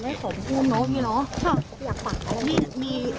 ไม่ขอพูดเนาะพี่เนาะ